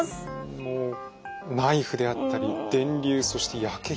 もうナイフであったり電流そして焼け火箸とね